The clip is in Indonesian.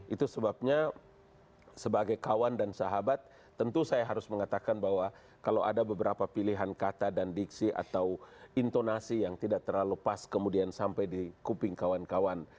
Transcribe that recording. itu sebabnya sebagai kawan dan sahabat tentu saya harus mengatakan bahwa kalau ada beberapa pilihan kata dan diksi atau intonasi yang tidak terlalu pas kemudian sampai di kuping kawan kawan